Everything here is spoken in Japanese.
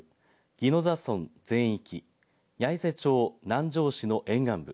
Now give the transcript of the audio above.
宜野座村全域八重瀬町、南城市の沿岸部